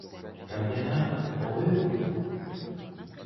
Cambiará ao euro?